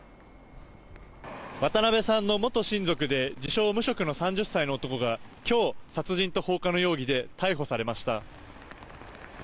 渡辺さんの元親族で自称無職の３０歳の男が今日、殺人と放火の容疑で逮捕されました。